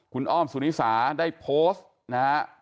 คุณอ้อมสุนิษฐาได้โพสต์